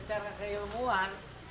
padahal kalau secara keilmuan